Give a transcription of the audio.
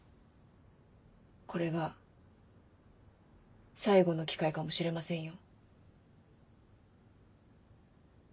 これが最後の機会かもしれませんよ。